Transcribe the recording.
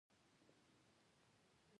افغانستان کې باران د هنر په اثار کې دي.